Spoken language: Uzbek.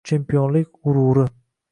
Chempionlik g‘ururi.